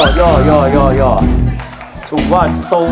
พี่แบ๊บมันเห็นบอกเซอร์หมดแล้ว